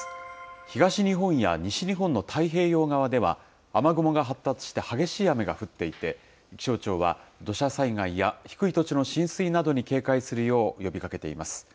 東日本や西日本の太平洋側では、雨雲が発達して激しい雨が降っていて、気象庁は、土砂災害や低い土地の浸水などに警戒するよう呼びかけています。